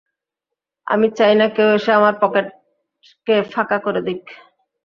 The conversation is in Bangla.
আমি চাই না কেউ এসে আমার পকেটকে ফাঁকা করে দিক।